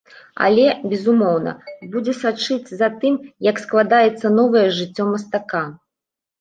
Але, безумоўна, будзе сачыць за тым, як складзецца новае жыццё мастака.